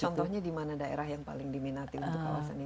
contohnya di mana daerah yang paling diminati untuk kawasan ini